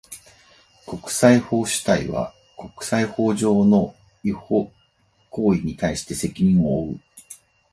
国際法主体は、国際法上の違法行為に対して責任を負う。